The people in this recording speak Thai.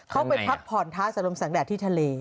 เขาไปพักผ่อนท้าสะลมแสงแดดที่ทะเล